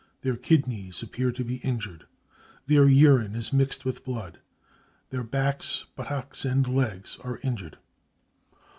Their kidneys appear to be injured ; their urine is mixed with blood. Their backs, buttocks and legs are injured."